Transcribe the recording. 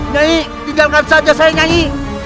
gai tinggalkan saja saya nyanyi